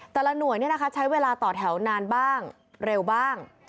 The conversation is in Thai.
แต่ละหน่วยใช้เวลาต่อแถวนานบ้างเร็วบ้าง